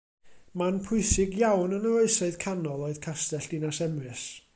Man pwysig iawn yn yr Oesoedd Canol oedd Castell Dinas Emrys.